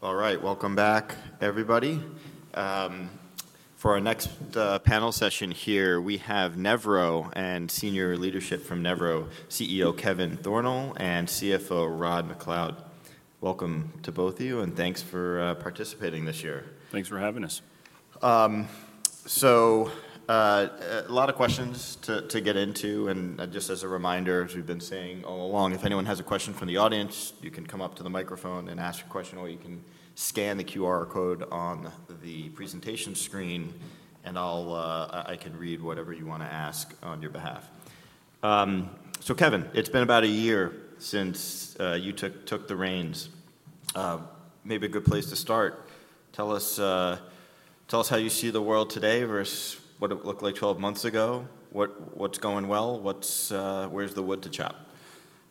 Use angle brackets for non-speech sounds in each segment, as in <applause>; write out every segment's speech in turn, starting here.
All right, welcome back, everybody. For our next panel session here, we have Nevro and senior leadership from Nevro, CEO Kevin Thornal and CFO Rod MacLeod. Welcome to both of you, and thanks for participating this year. Thanks for having us. So, a lot of questions to get into, and just as a reminder, as we've been saying all along, if anyone has a question from the audience, you can come up to the microphone and ask your question, or you can scan the QR code on the presentation screen, and I can read whatever you want to ask on your behalf. So, Kevin, it's been about a year since you took the reins. Maybe a good place to start, tell us how you see the world today versus what it looked like 12 months ago. What's going well? Where's the wood to chop?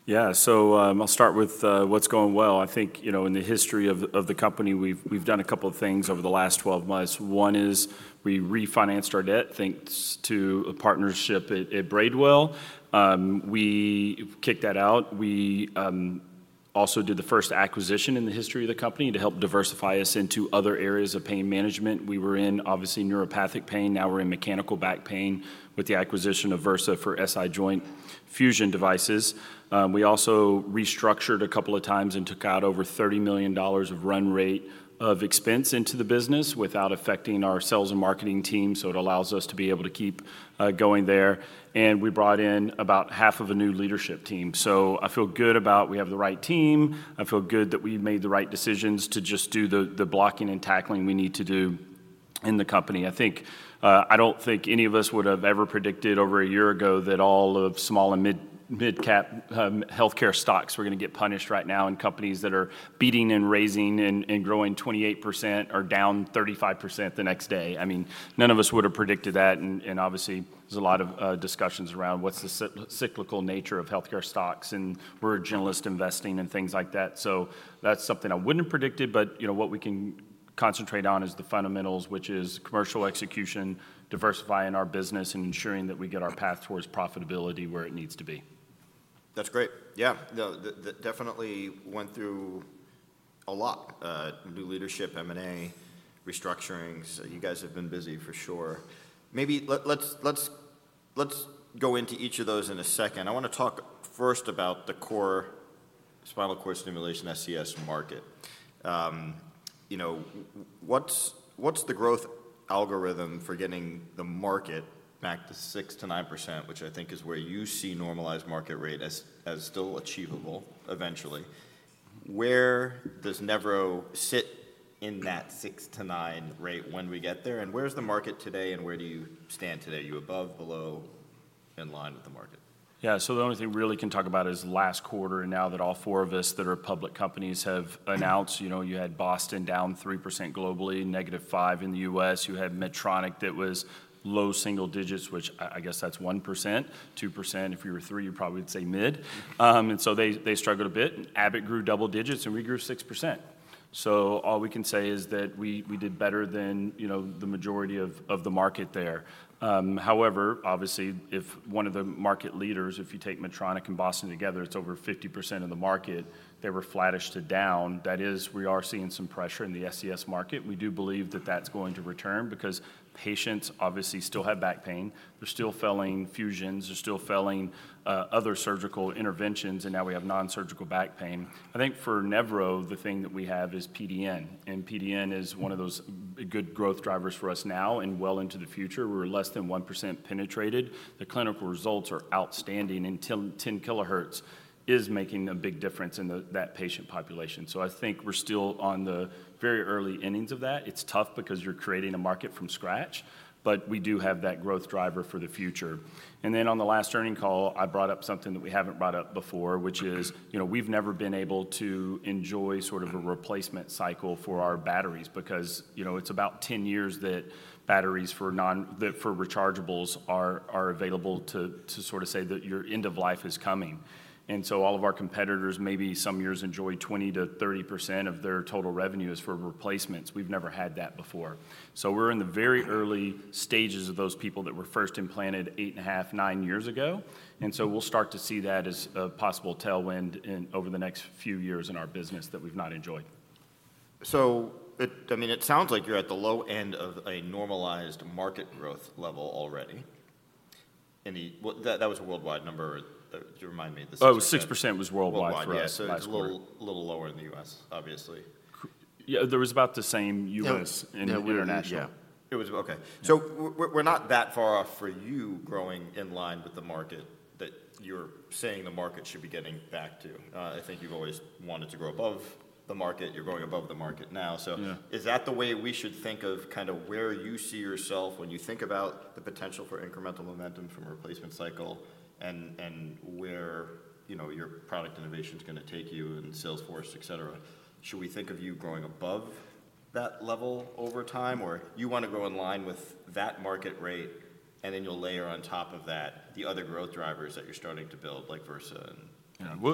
Yeah, so I'll start with what's going well. I think, you know, in the history of the company, we've done a couple of things over the last 12 months. One is we refinanced our debt thanks to a partnership at Braidwell. We kicked that out. We also did the first acquisition in the history of the company to help diversify us into other areas of pain management. We were in, obviously, neuropathic pain. Now we're in mechanical back pain with the acquisition of Vyrsa for SI joint fusion devices. We also restructured a couple of times and took out over $30 million of run rate of expense into the business without affecting our sales and marketing team, so it allows us to be able to keep going there. And we brought in about half of a new leadership team. So I feel good about we have the right team. I feel good that we made the right decisions to just do the blocking and tackling we need to do in the company. I don't think any of us would have ever predicted over a year ago that all of small and mid-cap healthcare stocks were going to get punished right now, and companies that are beating and raising and growing 28% are down 35% the next day. I mean, none of us would have predicted that, and obviously, there's a lot of discussions around what's the cyclical nature of healthcare stocks, and we're a generalist investing and things like that. So that's something I wouldn't have predicted, but, you know, what we can concentrate on is the fundamentals, which is commercial execution, diversifying our business, and ensuring that we get our path towards profitability where it needs to be. That's great. Yeah, definitely went through a lot. New leadership, M&A, restructurings, you guys have been busy for sure. Maybe let's go into each of those in a second. I want to talk first about the spinal cord stimulation SCS market. You know, what's the growth algorithm for getting the market back to 6%-9%, which I think is where you see normalized market rate as still achievable eventually? Where does Nevro sit in that 6%-9% rate when we get there, and where's the market today, and where do you stand today? Are you above, below, in line with the market? Yeah, so the only thing we really can talk about is last quarter, and now that all four of us that are public companies have announced, you know, you had Boston down 3% globally, negative 5% in the U.S. You had Medtronic that was low single digits, which I guess that's 1%, 2%. If you were 3%, you probably would say mid. And so they struggled a bit. Abbott grew double digits, and we grew 6%. So all we can say is that we did better than the majority of the market there. However, obviously, if one of the market leaders, if you take Medtronic and Boston together, it's over 50% of the market, they were flattish to down. That is, we are seeing some pressure in the SCS market. We do believe that that's going to return because patients obviously still have back pain. They're still failing fusions. They're still failing other surgical interventions, and now we have nonsurgical back pain. I think for Nevro, the thing that we have is PDN, and PDN is one of those good growth drivers for us now and well into the future. We're less than 1% penetrated. The clinical results are outstanding, and 10 kHz is making a big difference in that patient population. So I think we're still on the very early innings of that. It's tough because you're creating a market from scratch, but we do have that growth driver for the future. And then on the last earnings call, I brought up something that we haven't brought up before, which is, you know, we've never been able to enjoy sort of a replacement cycle for our batteries because, you know, it's about 10 years that batteries for rechargeables are available to sort of say that your end of life is coming. And so all of our competitors, maybe some years enjoy 20%-30% of their total revenue is for replacements. We've never had that before. So we're in the very early stages of those people that were first implanted eight and a half, nine years ago. And so we'll start to see that as a possible tailwind over the next few years in our business that we've not enjoyed. I mean, it sounds like you're at the low end of a normalized market growth level already. That was a worldwide number. Do you remind me? Oh, 6% was worldwide, correct. Yeah, so a little lower in the U.S., obviously. Yeah, there was about the same U.S. and international. It was, okay. So we're not that far off for you growing in line with the market that you're saying the market should be getting back to. I think you've always wanted to grow above the market. You're growing above the market now. So is that the way we should think of kind of where you see yourself when you think about the potential for incremental momentum from a replacement cycle and where, you know, your product innovation is going to take you and sales force, et cetera? Should we think of you growing above that level over time, or you want to grow in line with that market rate, and then you'll layer on top of that the other growth drivers that you're starting to build, like Vyrsa? Yeah,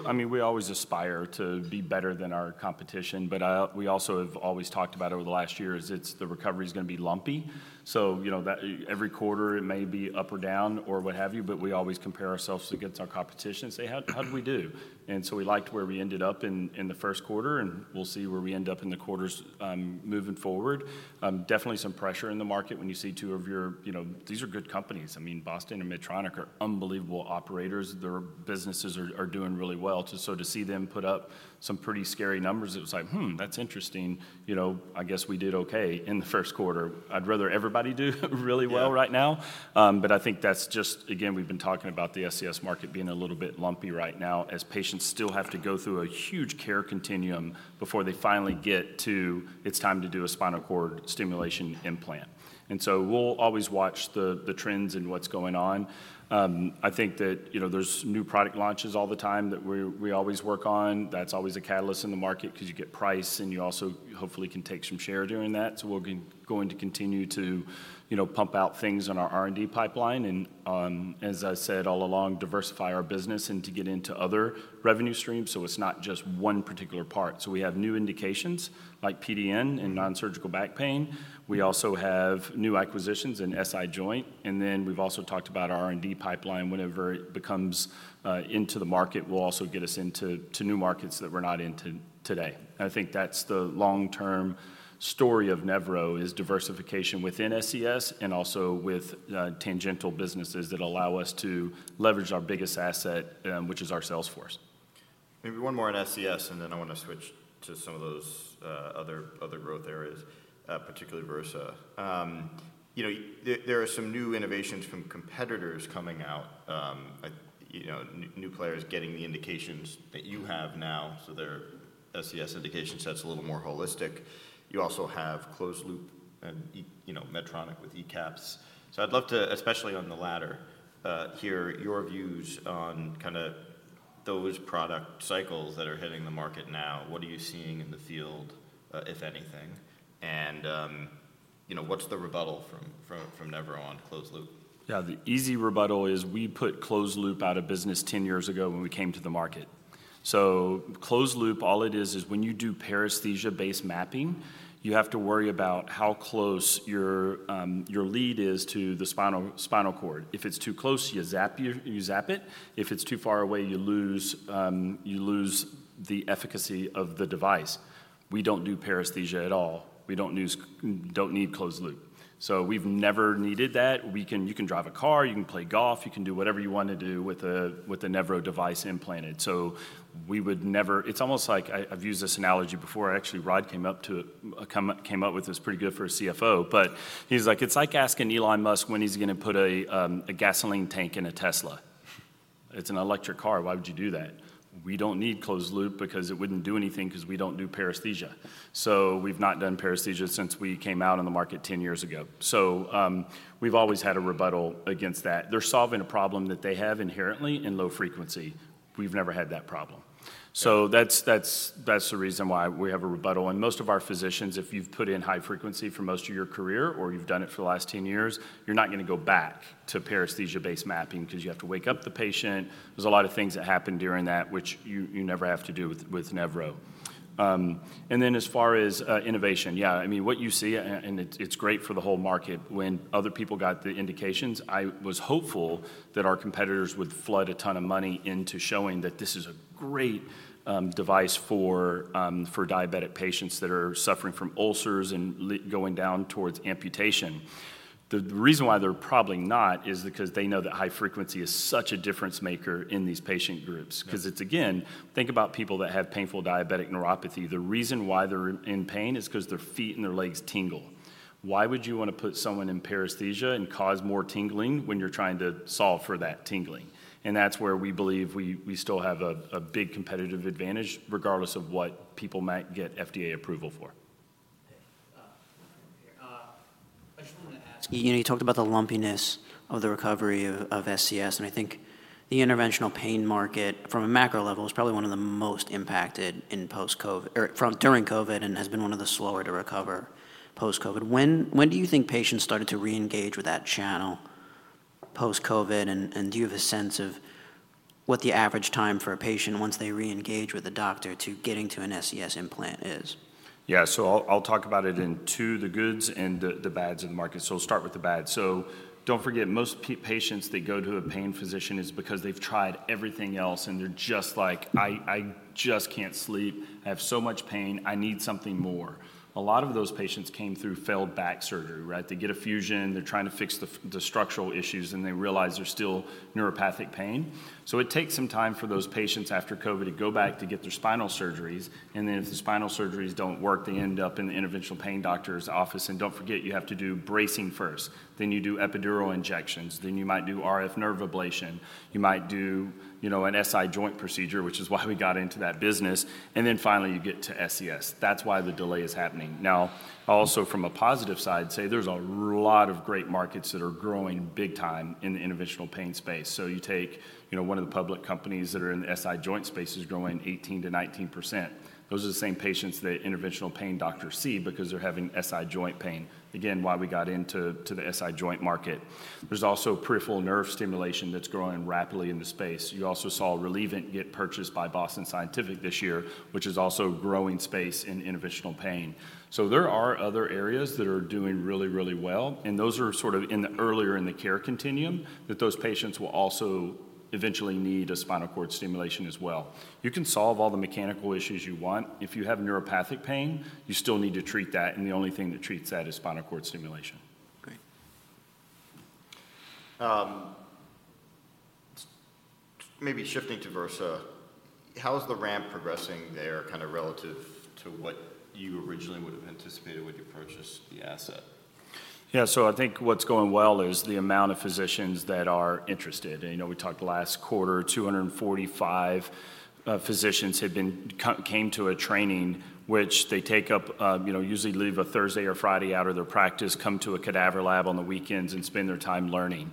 I mean, we always aspire to be better than our competition, but we also have always talked about over the last year is the recovery is going to be lumpy. So, you know, every quarter it may be up or down or what have you, but we always compare ourselves against our competition and say, how did we do? And so we liked where we ended up in the first quarter, and we'll see where we end up in the quarters moving forward. Definitely some pressure in the market when you see two of your, you know, these are good companies. I mean, Boston and Medtronic are unbelievable operators. Their businesses are doing really well. So to see them put up some pretty scary numbers, it was like, that's interesting. You know, I guess we did okay in the first quarter. I'd rather everybody do really well right now. But I think that's just, again, we've been talking about the SCS market being a little bit lumpy right now as patients still have to go through a huge care continuum before they finally get to it's time to do a spinal cord stimulation implant. And so we'll always watch the trends and what's going on. I think that, you know, there's new product launches all the time that we always work on. That's always a catalyst in the market because you get price and you also hopefully can take some share during that. So we'll be going to continue to, you know, pump out things on our R&D pipeline and, as I said all along, diversify our business and to get into other revenue streams so it's not just one particular part. So we have new indications like PDN and nonsurgical back pain. We also have new acquisitions in SI joint. And then we've also talked about our R&D pipeline. Whenever it becomes into the market, we'll also get us into new markets that we're not into today. I think that's the long-term story of Nevro is diversification within SCS and also with tangential businesses that allow us to leverage our biggest asset, which is our sales force. Maybe one more on SCS, and then I want to switch to some of those other growth areas, particularly Vyrsa. You know, there are some new innovations from competitors coming out, you know, new players getting the indications that you have now. So their SCS indication sets are a little more holistic. You also have closed-loop and, you know, Medtronic with ECAP. So I'd love to, especially on the latter, hear your views on kind of those product cycles that are hitting the market now. What are you seeing in the field, if anything? And, you know, what's the rebuttal from Nevro on closed-loop? Yeah, the easy rebuttal is we put closed-loop out of business 10 years ago when we came to the market. So closed-loop, all it is, is when you do paresthesia-based mapping, you have to worry about how close your lead is to the spinal cord. If it's too close, you zap it. If it's too far away, you lose the efficacy of the device. We don't do paresthesia at all. We don't need closed-loop. So we've never needed that. You can drive a car, you can play golf, you can do whatever you want to do with a Nevro device implanted. So we would never, it's almost like I've used this analogy before. Actually, Rod came up with this pretty good for a CFO, but he's like, it's like asking Elon Musk when he's going to put a gasoline tank in a Tesla. It's an electric car. Why would you do that? We don't need closed-loop because it wouldn't do anything because we don't do paresthesia. So we've not done paresthesia since we came out on the market 10 years ago. So we've always had a rebuttal against that. They're solving a problem that they have inherently in low-frequency. We've never had that problem. So that's the reason why we have a rebuttal. Most of our physicians, if you've put in high frequency for most of your career or you've done it for the last 10 years, you're not going to go back to paresthesia-based mapping because you have to wake up the patient. There's a lot of things that happen during that, which you never have to do with Nevro. And then as far as innovation, yeah, I mean, what you see, and it's great for the whole market, when other people got the indications, I was hopeful that our competitors would flood a ton of money into showing that this is a great device for diabetic patients that are suffering from ulcers and going down towards amputation. The reason why they're probably not is because they know that high frequency is such a difference maker in these patient groups. Because it's, again, think about people that have painful diabetic neuropathy. The reason why they're in pain is because their feet and their legs tingle. Why would you want to put someone in paresthesia and cause more tingling when you're trying to solve for that tingling? And that's where we believe we still have a big competitive advantage regardless of what people might get FDA approval for. You know, you talked about the lumpiness of the recovery of SCS, and I think the interventional pain market from a macro level is probably one of the most impacted during COVID and has been one of the slower to recover post-COVID. When do you think patients started to reengage with that channel post-COVID, and do you have a sense of what the average time for a patient once they reengage with the doctor to getting to an SCS implant is? Yeah, so I'll talk about it in two of the goods and the bads of the market. So we'll start with the bad. So don't forget, most patients that go to a pain physician is because they've tried everything else, and they're just like, I just can't sleep. I have so much pain. I need something more. A lot of those patients came through failed back surgery, right? They get a fusion. They're trying to fix the structural issues, and they realize there's still neuropathic pain. So it takes some time for those patients after COVID to go back to get their spinal surgeries, and then if the spinal surgeries don't work, they end up in the interventional pain doctor's office. And don't forget, you have to do bracing first. Then you do epidural injections. Then you might do RF nerve ablation. You might do, you know, an SI joint procedure, which is why we got into that business. And then finally, you get to SCS. That's why the delay is happening. Now, also from a positive side, say there's a lot of great markets that are growing big time in the interventional pain space. So you take, you know, one of the public companies that are in the SI joint space is growing 18%-19%. Those are the same patients that interventional pain doctors see because they're having SI joint pain. Again, why we got into the SI joint market. There's also peripheral nerve stimulation that's growing rapidly in the space. You also saw Relievant get purchased by Boston Scientific this year, which is also growing space in interventional pain. So there are other areas that are doing really, really well, and those are sort of earlier in the care continuum that those patients will also eventually need a spinal cord stimulation as well. You can solve all the mechanical issues you want. If you have neuropathic pain, you still need to treat that, and the only thing that treats that is spinal cord stimulation. Great. Maybe shifting to Vyrsa, how's the ramp progressing there kind of relative to what you originally would have anticipated when you purchased the asset? Yeah, so I think what's going well is the amount of physicians that are interested. You know, we talked last quarter, 245 physicians came to a training, which they take up, you know, usually leave a Thursday or Friday out of their practice, come to a cadaver lab on the weekends and spend their time learning.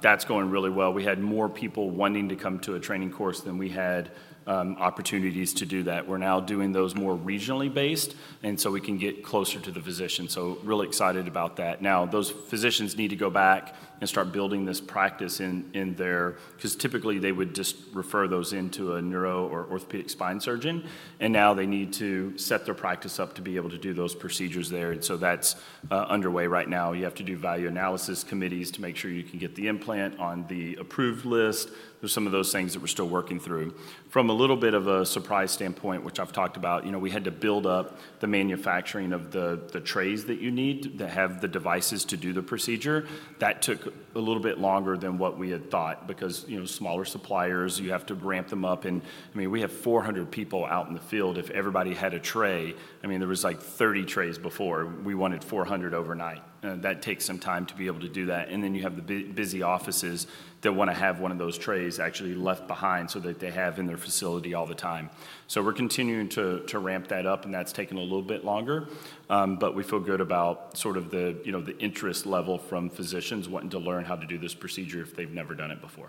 That's going really well. We had more people wanting to come to a training course than we had opportunities to do that. We're now doing those more regionally based, and so we can get closer to the physician. So really excited about that. Now, those physicians need to go back and start building this practice in their, because typically they would just refer those into a neuro or orthopedic spine surgeon, and now they need to set their practice up to be able to do those procedures there. And so that's underway right now. You have to do Value Analysis Committees to make sure you can get the implant on the approved list. There's some of those things that we're still working through. From a little bit of a surprise standpoint, which I've talked about, you know, we had to build up the manufacturing of the trays that you need to have the devices to do the procedure. That took a little bit longer than what we had thought because, you know, smaller suppliers, you have to ramp them up. And I mean, we have 400 people out in the field. If everybody had a tray, I mean, there was like 30 trays before. We wanted 400 overnight. That takes some time to be able to do that. And then you have the busy offices that want to have one of those trays actually left behind so that they have in their facility all the time. So we're continuing to ramp that up, and that's taken a little bit longer, but we feel good about sort of the, you know, the interest level from physicians wanting to learn how to do this procedure if they've never done it before.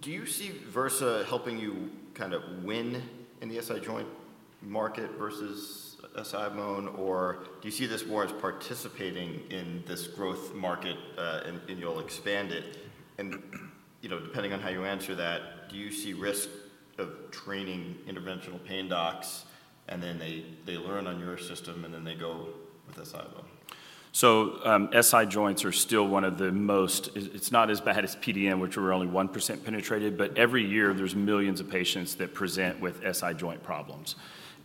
Do you see Vyrsa helping you kind of win in the SI joint market versus SI-BONE, or do you see this more as participating in this growth market and you'll expand it? And, you know, depending on how you answer that, do you see risk of training interventional pain docs and then they learn on your system and then they go with SI-BONE? So SI joints are still one of the most, it's not as bad as PDN, which we're only 1% penetrated, but every year there's millions of patients that present with SI joint problems.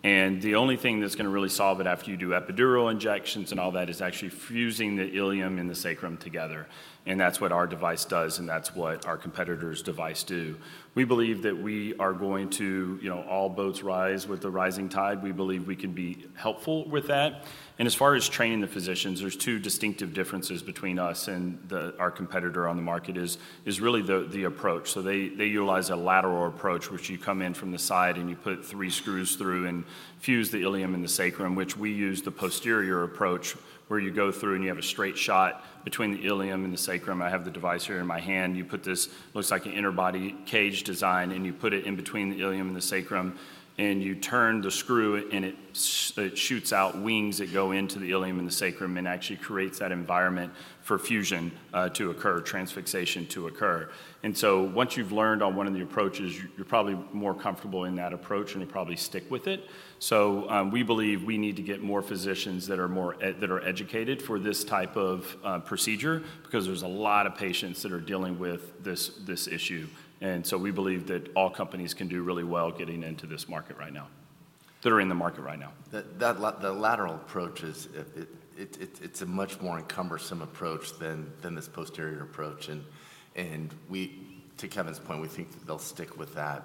The only thing that's going to really solve it after you do epidural injections and all that is actually fusing the ilium and the sacrum together. That's what our device does, and that's what our competitor's device do. We believe that we are going to, you know, all boats rise with the rising tide. We believe we can be helpful with that. As far as training the physicians, there's two distinctive differences between us and our competitor on the market is really the approach. So they utilize a lateral approach, which you come in from the side and you put three screws through and fuse the ilium and the sacrum, which we use the posterior approach where you go through and you have a straight shot between the ilium and the sacrum. I have the device here in my hand. You put this, looks like an interbody cage design, and you put it in between the ilium and the sacrum, and you turn the screw and it shoots out wings that go into the ilium and the sacrum and actually creates that environment for fusion to occur, transfixation to occur. And so once you've learned on one of the approaches, you're probably more comfortable in that approach and you probably stick with it. We believe we need to get more physicians that are more educated for this type of procedure because there's a lot of patients that are dealing with this issue. We believe that all companies can do really well getting into this market right now, that are in the market right now. The lateral approach is, it's a much more cumbersome approach than this posterior approach. And to Kevin's point, we think that they'll stick with that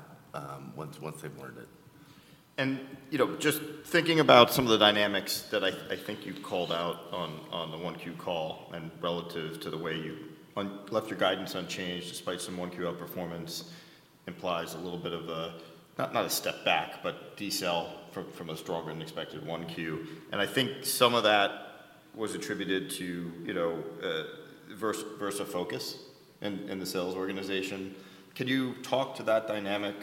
once they've learned it. And, you know, just thinking about some of the dynamics that I think you've called out on the 1Q call and relative to the way you left your guidance unchanged despite some 1Q outperformance implies a little bit of a, not a step back, but decel from a stronger than expected 1Q. And I think some of that was attributed to, you know, Vyrsa focus and the sales organization. Can you talk to that dynamic?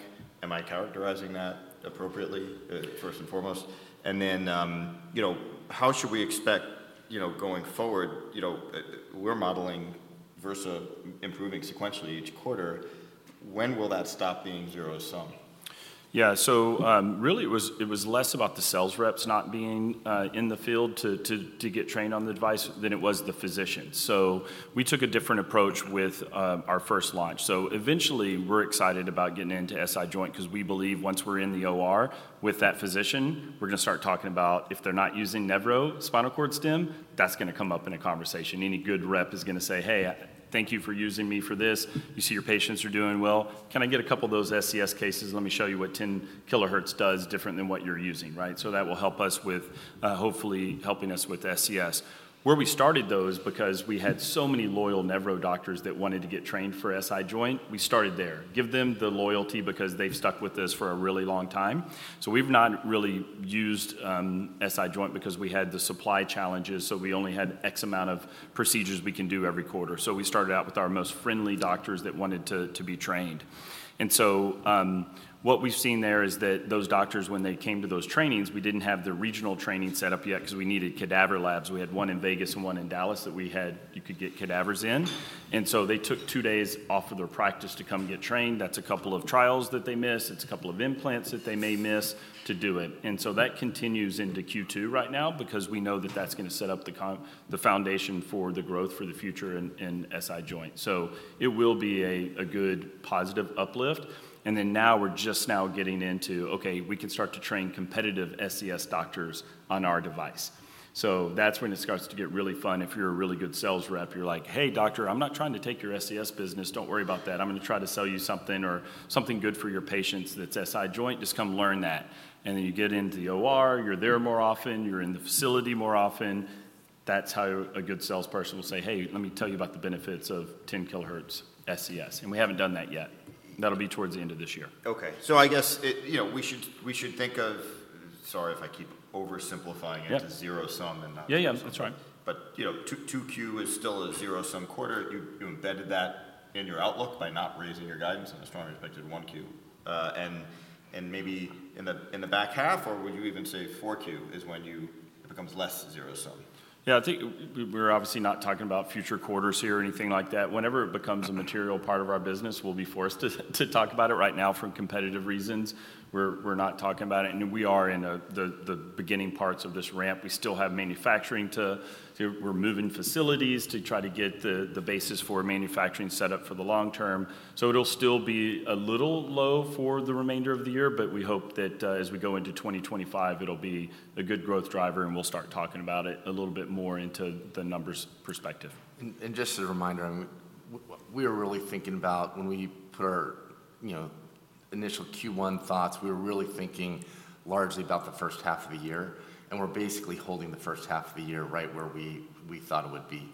Am I characterizing that appropriately first and foremost? And then, you know, how should we expect, you know, going forward, you know, we're modeling Vyrsa improving sequentially each quarter. When will that stop being zero sum? Yeah, so really it was less about the sales reps not being in the field to get trained on the device than it was the physician. So we took a different approach with our first launch. So eventually we're excited about getting into SI joint because we believe once we're in the OR with that physician, we're going to start talking about if they're not using Nevro spinal cord stim, that's going to come up in a conversation. Any good rep is going to say, hey, thank you for using me for this. You see your patients are doing well. Can I get a couple of those SCS cases? Let me show you what 10 kHz does different than what you're using, right? So that will help us with hopefully helping us with SCS. Where we started those because we had so many loyal Nevro doctors that wanted to get trained for SI joint, we started there. Give them the loyalty because they've stuck with this for a really long time. So we've not really used SI joint because we had the supply challenges. So we only had X amount of procedures we can do every quarter. So we started out with our most friendly doctors that wanted to be trained. And so what we've seen there is that those doctors, when they came to those trainings, we didn't have the regional training set up yet because we needed cadaver labs. We had one in Vegas and one in Dallas that we had, you could get cadavers in. And so they took two days off of their practice to come get trained. That's a couple of trials that they miss. It's a couple of implants that they may miss to do it. So that continues into Q2 right now because we know that that's going to set up the foundation for the growth for the future in SI joint. So it will be a good positive uplift. Then now we're just now getting into, okay, we can start to train competitive SCS doctors on our device. So that's when it starts to get really fun. If you're a really good sales rep, you're like, hey doctor, I'm not trying to take your SCS business. Don't worry about that. I'm going to try to sell you something or something good for your patients that's SI joint. Just come learn that. Then you get into the OR, you're there more often, you're in the facility more often. That's how a good salesperson will say, hey, let me tell you about the benefits of 10 kHz SCS. And we haven't done that yet. That'll be toward the end of this year. Okay. So I guess, you know, we should think of, sorry if I keep oversimplifying it to zero sum and not. Yeah, yeah, that's right. You know, 2Q is still a zero-sum quarter. You embedded that in your outlook by not raising your guidance and the stronger expected 1Q. Maybe in the back half, or would you even say 4Q is when it becomes less zero-sum? Yeah, I think we're obviously not talking about future quarters here or anything like that. Whenever it becomes a material part of our business, we'll be forced to talk about it. Right now for competitive reasons, we're not talking about it. And we are in the beginning parts of this ramp. We still have manufacturing to, we're moving facilities to try to get the basis for manufacturing set up for the long term. So it'll still be a little low for the remainder of the year, but we hope that as we go into 2025, it'll be a good growth driver and we'll start talking about it a little bit more into the numbers perspective. And just as a reminder, we were really thinking about when we put our, you know, initial Q1 thoughts; we were really thinking largely about the first half of the year. We're basically holding the first half of the year right where we thought it would be.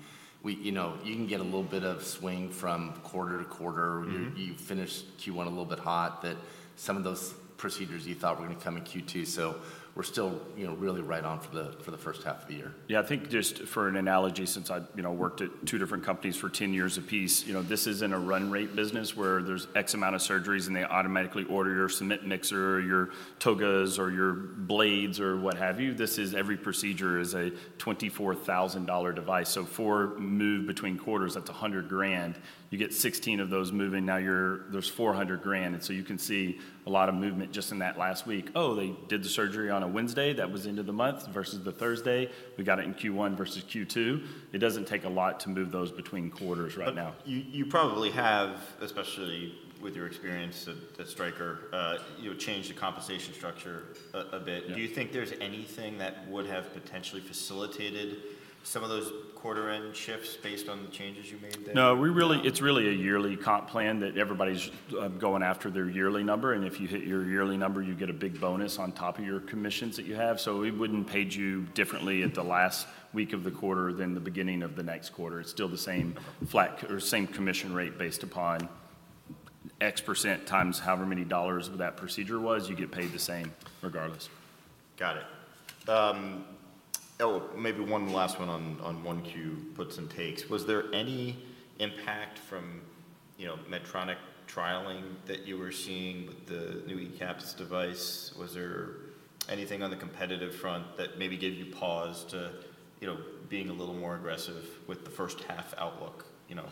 You know, you can get a little bit of swing from quarter-to-quarter. You finished Q1 a little bit hot, that some of those procedures you thought were going to come in Q2. So we're still, you know, really right on for the first half of the year. Yeah, I think just for an analogy, since I've, you know, worked at two different companies for 10 years apiece, you know, this isn't a run rate business where there's X amount of surgeries and they automatically order your cement mixer or your togas or your blades or what have you. This is every procedure is a $24,000 device. So for move between quarters, that's $100,000. You get 16 of those moving. Now you're, there's $400,000. And so you can see a lot of movement just in that last week. Oh, they did the surgery on a Wednesday. That was into the month versus the Thursday. We got it in Q1 versus Q2. It doesn't take a lot to move those between quarters right now. You probably have, especially with your experience at Stryker, you know, changed the compensation structure a bit. Do you think there's anything that would have potentially facilitated some of those quarter-end shifts based on the changes you made there? No, it's really a yearly comp plan that everybody's going after their yearly number. If you hit your yearly number, you get a big bonus on top of your commissions that you have. We wouldn't pay you differently at the last week of the quarter than the beginning of the next quarter. It's still the same flat or same commission rate based upon X% times however many dollars that procedure was. You get paid the same regardless. Got it. Oh, maybe one last one on one Q puts and takes. Was there any impact from, you know, Medtronic trialing that you were seeing with the new ECAP device? Was there anything on the competitive front that maybe gave you pause to, you know, being a little more aggressive with the first half outlook, you know?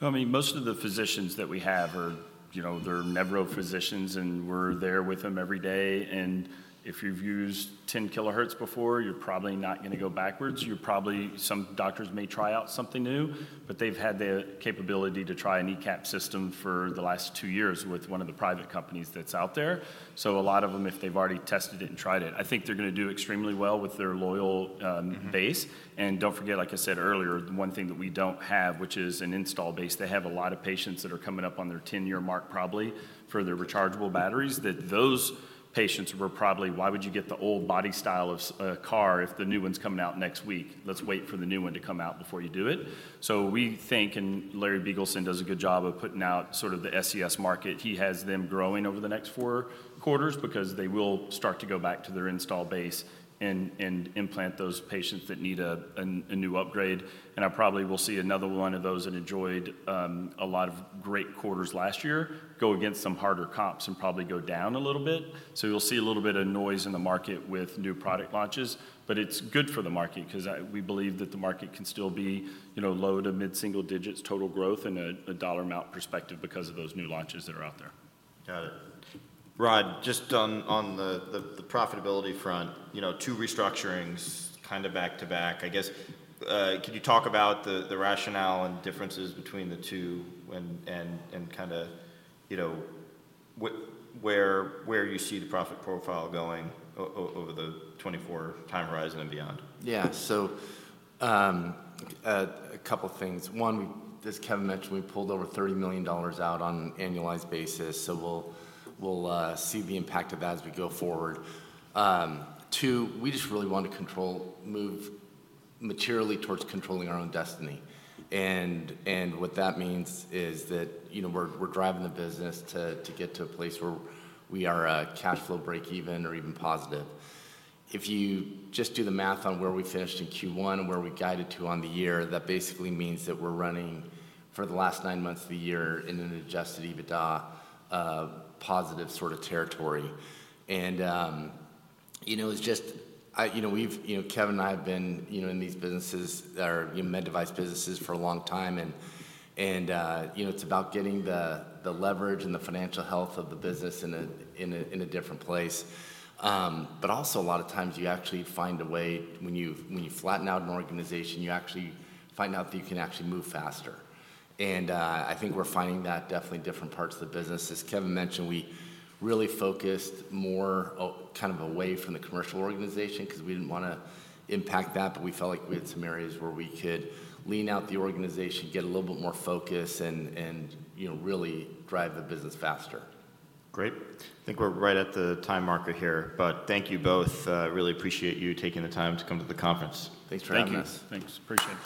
I mean, most of the physicians that we have are, you know, they're Nevro physicians and we're there with them every day. And if you've used 10 kHz before, you're probably not going to go backwards. You're probably, some doctors may try out something new, but they've had the capability to try an ECAP system for the last two years with one of the private companies that's out there. So a lot of them, if they've already tested it and tried it, I think they're going to do extremely well with their loyal base. And don't forget, like I said earlier, one thing that we don't have, which is an installed base. They have a lot of patients that are coming up on their 10-year mark probably for the rechargeable batteries that those patients were probably. Why would you get the old body style of a car if the new one's coming out next week? Let's wait for the new one to come out before you do it. So we think, and Larry Biegelsen does a good job of putting out sort of the SCS market. He has them growing over the next four quarters because they will start to go back to their installed base and implant those patients that need a new upgrade. And I probably will see another one of those that enjoyed a lot of great quarters last year go against some harder comps and probably go down a little bit. So you'll see a little bit of noise in the market with new product launches, but it's good for the market because we believe that the market can still be, you know, low- to mid-single-digits total growth in a dollar amount perspective because of those new launches that are out there. Got it. Rod, just on the profitability front, you know, two restructurings kind of back-to-back, I guess, can you talk about the rationale and differences between the two and kind of, you know, where you see the profit profile going over the 2024 time horizon and beyond? Yeah, so a couple of things. One, as Kevin mentioned, we pulled over $30 million out on an annualized basis. So we'll see the impact of that as we go forward. Two, we just really want to control move materially towards controlling our own destiny. And what that means is that, you know, we're driving the business to get to a place where we are a cash flow break even or even positive. If you just do the math on where we finished in Q1 and where we guided to on the year, that basically means that we're running for the last nine months of the year in an Adjusted EBITDA positive sort of territory. And, you know, it's just, you know, we've, you know, Kevin and I have been, you know, in these businesses that are, you know, med device businesses for a long time. And, you know, it's about getting the leverage and the financial health of the business in a different place. But also a lot of times you actually find a way when you flatten out an organization, you actually find out that you can actually move faster. And I think we're finding that definitely in different parts of the business. As Kevin mentioned, we really focused more kind of away from the commercial organization because we didn't want to impact that, but we felt like we had some areas where we could lean out the organization, get a little bit more focus and, you know, really drive the business faster. Great. I think we're right at the time mark here, but thank you both. Really appreciate you taking the time to come to the conference. <crosstalk>